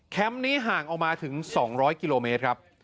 นี้ห่างออกมาถึง๒๐๐กิโลเมตรครับ